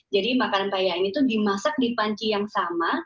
jadi makanan paheya ini dimasak di panci yang sama